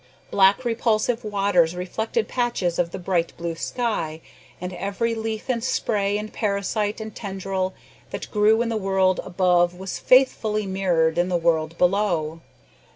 Black, repulsive waters reflected patches of the bright blue sky, and every leaf, and spray, and parasite, and tendril, that grew in the world above was faithfully mirrored in the world below.